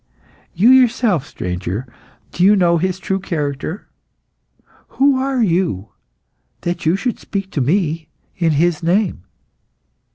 You yourself, stranger, do you know His true character? Who are you that you should speak to me in His name?"